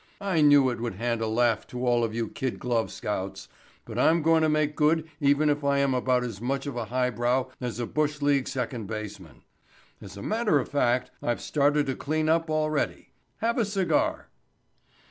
"I knew it would hand a laugh to all of you kid glove scouts, but I'm going to make good even if I am about as much of a highbrow as a bush league second baseman. As a matter of fact I've started to clean up already. Have a cigar."